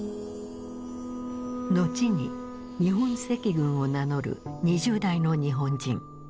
後に日本赤軍を名乗る２０代の日本人。